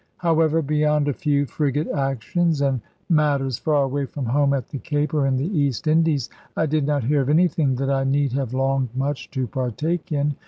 However, beyond a few frigate actions, and matters far away from home, at the Cape, or in the East Indies, I did not hear of anything that I need have longed much to partake in.